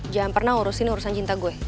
jangan pernah ngurusin urusan cinta gue